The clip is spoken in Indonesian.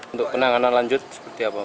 untuk penanganan lanjut seperti apa